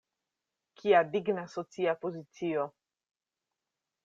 Kia digna socia pozicio!